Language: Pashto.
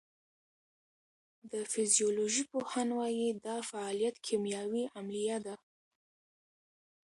د فزیولوژۍ پوهان وایی دا فعالیت کیمیاوي عملیه ده